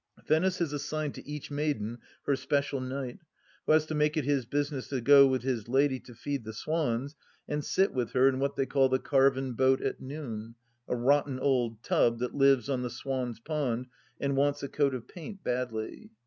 Venice has assigned to each maiden her special knight, who has to make it his business to go with his lady to feed the swans and sit with her in what they caU the " carven boat at noon "— a, rotten old tub that lives on the swan's pond and wants a coat of paint badly.